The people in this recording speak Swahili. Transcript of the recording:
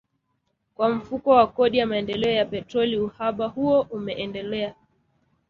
kwa Mfuko wa Kodi ya Maendeleo ya Petroli uhaba huo umeendelea